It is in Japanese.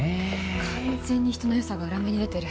完全に人の良さが裏目に出てる。